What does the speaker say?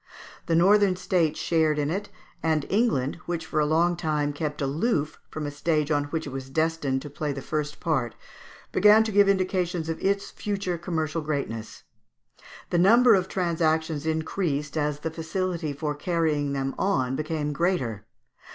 The northern states shared in it, and England, which for a long time kept aloof from a stage on which it was destined to play the first part, began to give indications of its future commercial greatness. The number of transactions increased as the facility for carrying them on became greater.